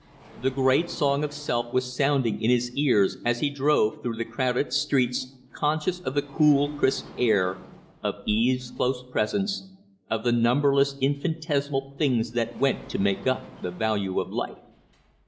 The great song of Self was sounding in his ears as he drove through the crowded streets, conscious of the cool, crisp air, of Eve's close presence, of the numberless infinitesimal things that went to make up the value of life.